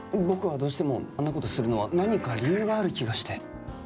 僕はどうしてもあんなことするのは何か理由がある気がして。